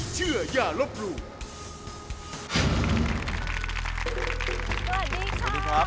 สวัสดีครับ